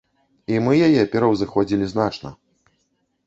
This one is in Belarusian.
І мы яе пераўзыходзілі значна.